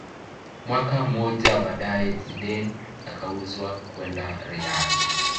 Mwaka mmoja baadaye Zidane akauzwa kwenda real